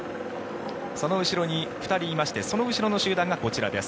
その後ろに２人いましてその後ろの集団がこちらです。